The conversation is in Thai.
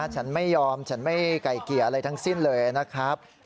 ฉันไม่ยอมฉันไม่ไก่เกลี่ยอะไรทั้งสิ้นเลยนะครับ